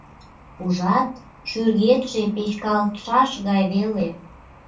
Ужат, шӱргетше печкалтшаш гай веле.